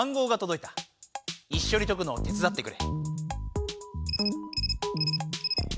いっしょに解くのを手つだってくれ。